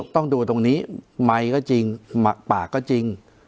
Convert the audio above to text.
ต้องดูตรงนี้ไมค์ก็จริงปากก็จริง